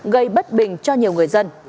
gây bất bình cho nhiều người dân